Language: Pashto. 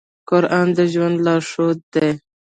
قرآن د ژوند لارښود دی.